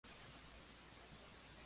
Se describe lo que allí aconteció.